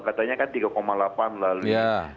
katanya kan tiga delapan lalu